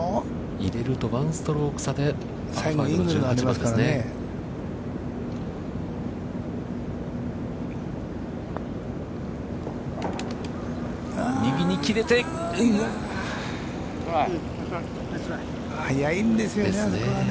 入れると１ストローク差で１８番ですからね。